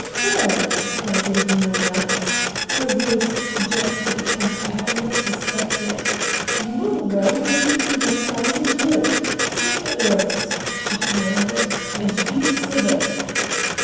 "Phil!" cried Lady Moya. Her voice suggested a temper I had not suspected. "You will row or you can get out and walk! Take the oars," she commanded, "and be civil!"